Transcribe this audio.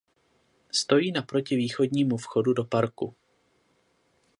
Stojí naproti východnímu vchodu do parku.